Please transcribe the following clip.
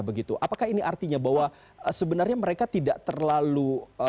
apakah ini artinya bahwa sebenarnya mereka tidak terlalu